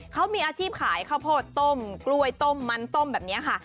เขามีอาชีพขายข้าวโพดต้มกล้วยต้มมันต้มแบบนี้ค่ะ